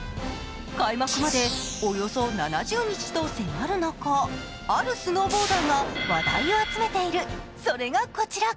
開幕までおよそ７０日を迫る中、あるスノーボーダーが話題を集めている、それがこちら。